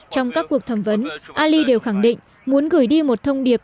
trong các cuộc thẩm vấn ali đều khẳng định muốn gửi đi một thông điệp